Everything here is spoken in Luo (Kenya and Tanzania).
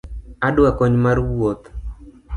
Adwa kony mar wuoth.